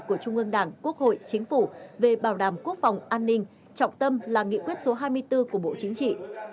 của trung ương đảng quốc hội chính phủ về bảo đảm quốc phòng an ninh trọng tâm là nghị quyết số hai mươi bốn của bộ chính trị